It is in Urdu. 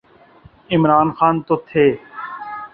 عمران خان تو تھے۔